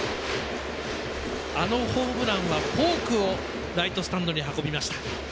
あのホームランはフォークをライトスタンドに運びました。